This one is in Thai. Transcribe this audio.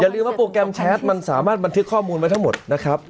ลืมว่าโปรแกรมแชทมันสามารถบันทึกข้อมูลไว้ทั้งหมดนะครับ